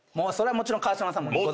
もちろん川島さんも。